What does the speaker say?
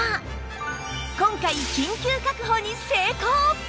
今回緊急確保に成功！